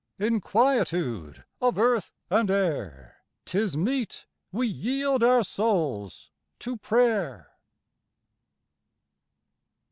In quietude of earth and air 'Tis meet we yield our souls to prayer.